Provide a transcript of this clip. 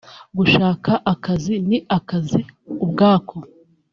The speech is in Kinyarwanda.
Gushaka akazi ni akazi ubwako